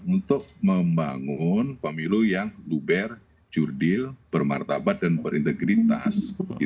untuk membangun pemilu yang luber jurdil bermartabat dan berintegritas